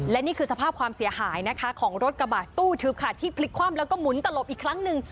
และนี่คือสภาพความเสียหายนะคะของรถกระบะตู้ทึบค่ะที่พลิกคว่ำแล้วก็หมุนตลบอีกครั้งหนึ่ง